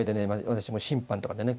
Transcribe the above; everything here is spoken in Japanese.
私も審判とかでね